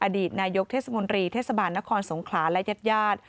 อดีตนายยกเทศมนตรีเทศบาลนครสงขลาและยัด